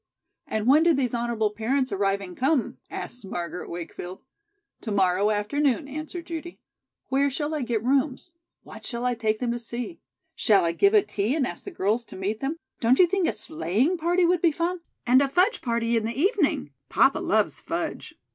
"And when do these honorable parents arriving come?" asked Margaret Wakefield. "To morrow afternoon," answered Judy. "Where shall I get rooms? What shall I take them to see? Shall I give a tea and ask the girls to meet them? Don't you think a sleighing party would be fun? And a fudge party in the evening? Papa loves fudge.